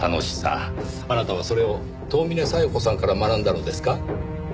あなたはそれを遠峰小夜子さんから学んだのですか？